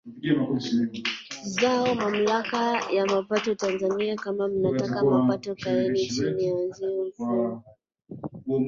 zao Mamlaka ya mapato Tanzania kama mnataka mapato kaeni chini na wasanii tutengeneze mfumo